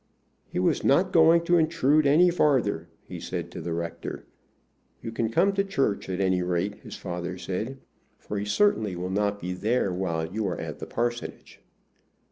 "He was not going to intrude any farther," he said to the rector. "You can come to church, at any rate," his father said, "for he certainly will not be there while you are at the parsonage."